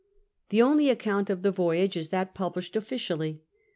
The only account of the voyage is that published officially.